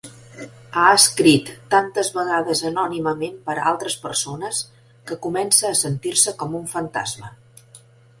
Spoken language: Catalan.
Ha escrit tantes vegades anònimament per a altres persones que comença a sentir-se com un fantasma.